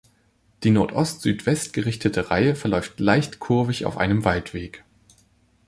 Die nordost-südwest gerichtete Reihe verläuft leicht kurvig auf einem Waldweg.